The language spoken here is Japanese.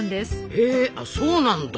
へあそうなんだ！